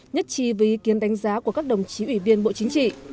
nhất trí với ý kiến đánh giá của các đồng chí ủy viên bộ chính trị